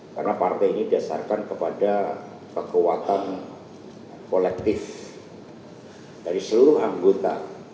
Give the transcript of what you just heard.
karena partai ini dasarkan kepada kekuatan kolektif dari seluruh anggota